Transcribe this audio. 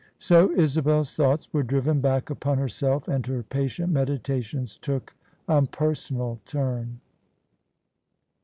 So Isabel's thoughts were driven back upon her self: and her patient meditations took a personal turn.